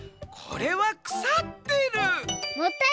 これはくさってる」。